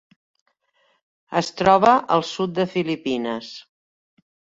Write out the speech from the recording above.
Es troba al sud de Filipines.